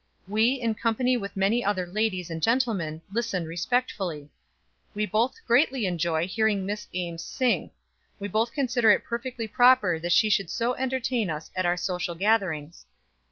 We, in company with many other ladies and gentlemen, listen respectfully; we both greatly enjoy hearing Miss Ames sing; we both consider it perfectly proper that she should so entertain us at our social gatherings.